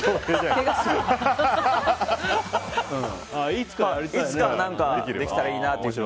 いつか何かできたらいいなって。